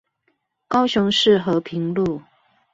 高雄市和平路